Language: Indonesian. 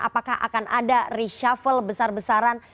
apakah akan ada reshuffle besar besaran